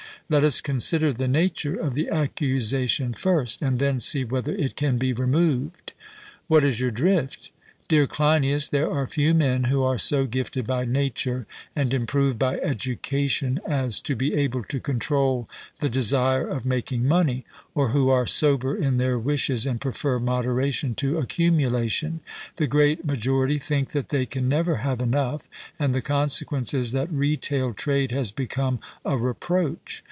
Let us consider the nature of the accusation first, and then see whether it can be removed. 'What is your drift?' Dear Cleinias, there are few men who are so gifted by nature, and improved by education, as to be able to control the desire of making money; or who are sober in their wishes and prefer moderation to accumulation. The great majority think that they can never have enough, and the consequence is that retail trade has become a reproach.